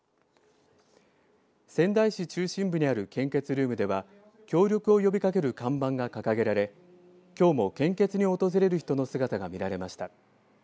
仙台市中心部にある献血ルームでは協力を呼びかける看板が掲げられきょうも献血に訪れる人の姿が見られました。